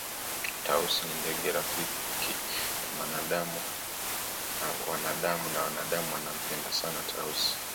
Tausi ni ndege rafiki na wanadamu na wanadamu wanampenda sana Tausi